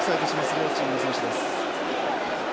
両チームの選手です。